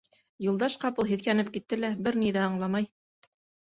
Юлдаш ҡапыл һиҫкәнеп китте лә, бер ни ҙә аңламай: